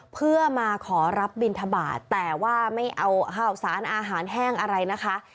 เพื่อมาขอรับบินทบาทแต่ว่าไม่เอาข้าวสารอาหารแห้งอะไรนะคะ